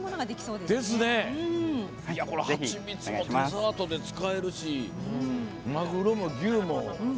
ハチミツもデザートで使えるしマグロも牛も。